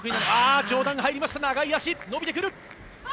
上段入りました長い足伸びてくる。